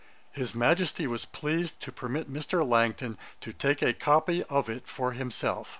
His Majesty was pleased to permit Mr. Langton to take a copy of it for himself.